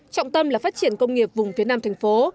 trọng tâm là phát triển công nghiệp vùng phía nam thành phố